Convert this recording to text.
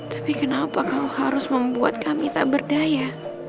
tapi kenapa kau harus membuat kami tak berdaya